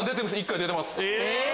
１回出てます。